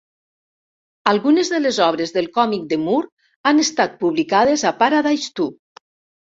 Algunes de les obres de còmic de Moore han estat publicades a Paradise Too!